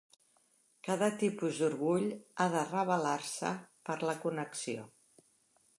Cada tipus d'orgull ha de rebel·lar-se per la connexió.